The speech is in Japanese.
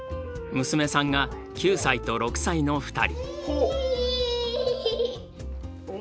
娘さんが９歳と６歳の２人。